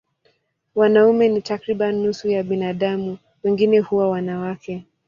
Wanaume ni takriban nusu ya binadamu, wengine huwa wanawake.